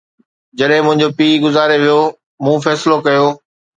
جڏهن منهنجو پيءُ گذاري ويو، مون فيصلو ڪيو